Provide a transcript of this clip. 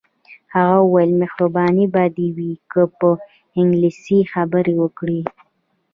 هغه وویل مهرباني به دې وي که په انګلیسي خبرې وکړې.